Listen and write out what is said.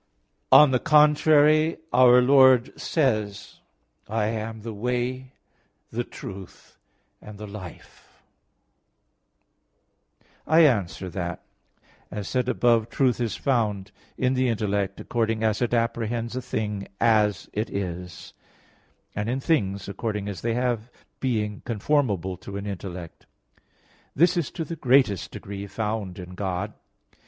On the contrary, Our Lord says, "I am the Way, the Truth, and the Life" (John 14:6). I answer that, As said above (A. 1), truth is found in the intellect according as it apprehends a thing as it is; and in things according as they have being conformable to an intellect. This is to the greatest degree found in God.